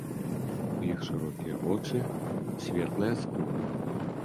У іх шырокія вочы, светлая скура.